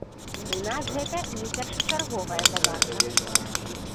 У нас гэта не першачарговая задача.